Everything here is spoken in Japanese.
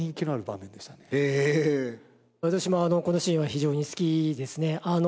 私もこのシーンは非常に好きですね。